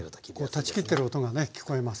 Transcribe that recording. こう断ち切ってる音がね聞こえます。